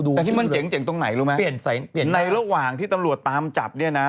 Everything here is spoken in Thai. แต่ที่มันเจ๋งตรงไหนรู้ไหมเปลี่ยนในระหว่างที่ตำรวจตามจับเนี่ยนะ